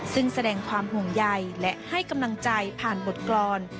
ซึ่งแสดงความห่วงใยและให้กำลังใจผ่านบทกรรม